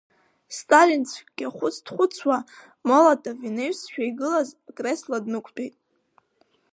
Сталин цәгьахәыц дхәыцуа Молотов инаҩсшәа игылаз акресло днықәтәеит…